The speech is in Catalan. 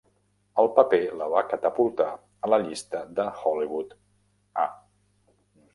El paper la va catapultar a la llista de Hollywood A.